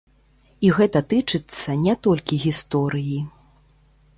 І гэта тычыцца не толькі гісторыі.